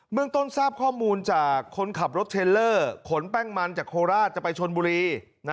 เมืองต้นทราบข้อมูลจากคนขับรถเทรลเลอร์ขนแป้งมันจากโคราชจะไปชนบุรี